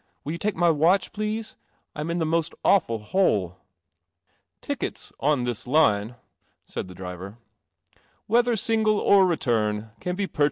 Willi i take my watch, please? I am in the awful hole." "I .' th! line," said the driver, hcthcr single or return, can be pureh..